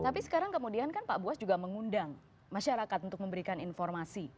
tapi sekarang kemudian kan pak buas juga mengundang masyarakat untuk memberikan informasi